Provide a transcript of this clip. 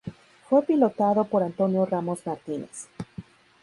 Fue pilotado por Antonio Ramos Martínez.